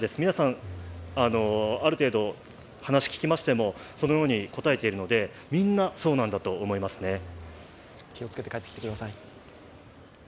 皆さん、ある程度、話を聞きましてもそのように答えているのでみんなそうなんだと思いますね。